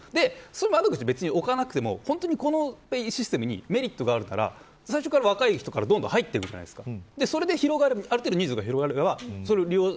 窓口を置かなくてもこのペイシステムにメリットがあるから最初から若い人からどんどん入ってくるじゃないですか。